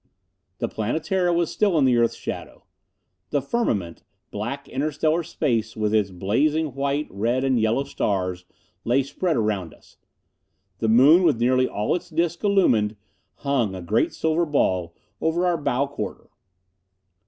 The Planetara was still in the earth's shadow. The firmament black interstellar space with its blazing white, red and yellow stars lay spread around us. The moon, with nearly all its disc illumined, hung, a great silver ball, over our bow quarter.